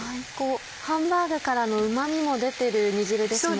ハンバーグからのうま味も出てる煮汁ですもんね。